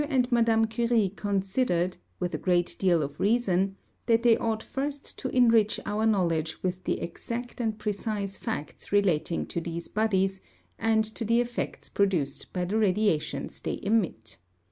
and Madame Curie considered, with a great deal of reason, that they ought first to enrich our knowledge with the exact and precise facts relating to these bodies and to the effects produced by the radiations they emit.